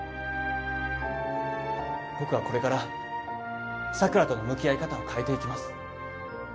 僕はこれから桜との向き合い方を変えていきます